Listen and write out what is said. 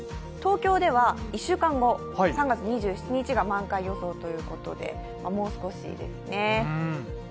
東京では、１週間後３月２７日が満開予想ということで１週間か。